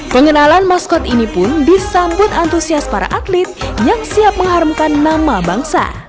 pengenalan maskot ini pun disambut antusias para atlet yang siap mengharumkan nama bangsa